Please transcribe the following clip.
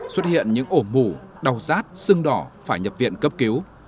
xuất hiện những ổ mũ đau rát sưng đỏ phải nhập viện cấp cứu